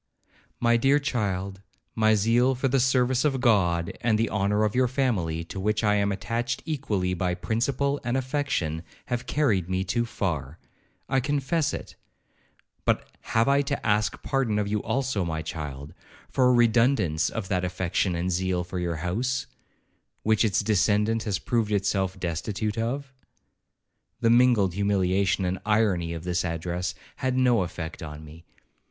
My dear child, my zeal for the service of God, and the honour of your family, to which I am attached equally by principle and affection, have carried me too far,—I confess it; but have I to ask pardon of you also, my child, for a redundance of that affection and zeal for your house, which its descendant has proved himself destitute of?' The mingled humiliation and irony of this address had no effect on me.